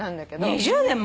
２０年も？